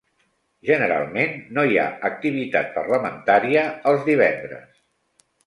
Generalment no hi ha activitat parlamentària els divendres.